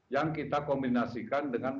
yang kita kombinasikan dengan